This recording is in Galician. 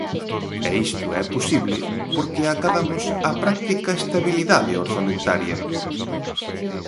E isto é posible porque acadamos a práctica estabilidade orzamentaria.